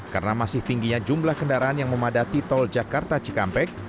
karena masih tingginya jumlah kendaraan yang memadati tol jakarta cikampek